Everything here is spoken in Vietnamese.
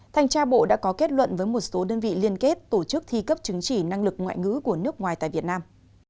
thanh tra bộ đã có kết luận với một số đơn vị liên kết tổ chức thi cấp chứng chỉ năng lực ngoại ngữ của nước ngoài tại việt nam